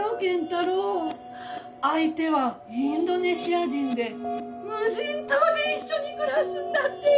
相手はインドネシア人で無人島で一緒に暮らすんだってよ！